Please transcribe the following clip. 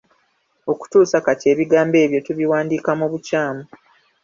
Okutuusa kati ebigambo ebyo tubiwandiika mu bukyamu.